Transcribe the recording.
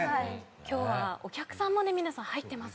今日はお客さんもね皆さん入ってますから。